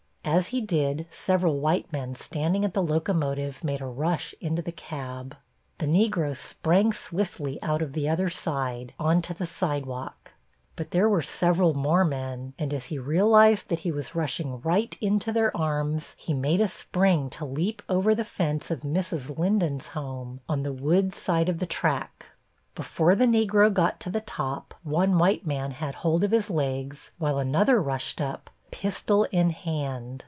As he did several white men standing at the locomotive made a rush into the cab. The Negro sprang swiftly out of the other side, on to the sidewalk. But there were several more men, and as he realized that he was rushing right into their arms he made a spring to leap over the fence of Mrs. Linden's home, on the wood side of the track. Before the Negro got to the top one white man had hold of his legs, while another rushed up, pistol in hand.